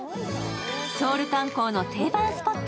ソウル観光の定番スポット。